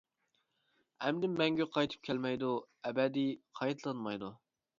ئەمدى مەڭگۈ قايتىپ كەلمەيدۇ، ئەبەدىي قايتىلانمايدۇ.